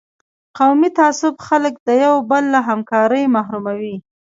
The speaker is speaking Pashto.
قومي تعصب خلک د یو بل له همکارۍ محروموي.